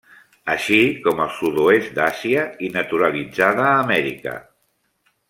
Així com al sud-oest d'Àsia i naturalitzada a Amèrica.